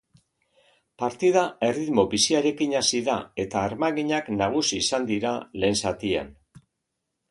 Partida erritmo biziarekin hasi da, eta armaginak nagusi izan dira lehen zatian.